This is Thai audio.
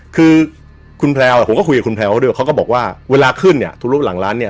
คือคุณแพลวผมก็คุยกับคุณแพลวด้วยเขาก็บอกว่าเวลาขึ้นเนี่ยทุรูปหลังร้านเนี่ย